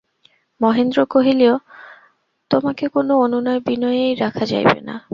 মহেন্দ্র কহিল, তোমাকে কোনো অনুনয়-বিনয়েই রাখা যাইবে না?